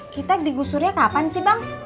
kita digusurnya kapan sih bang